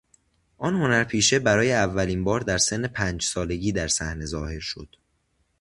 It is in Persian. آن هنرپیشه برای اولین بار در سن پنج سالگی در صحنه ظاهر شد.